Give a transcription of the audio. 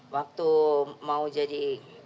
waktu mau jadi